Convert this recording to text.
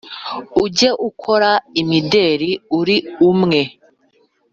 ujya ukora imideli uri umwe?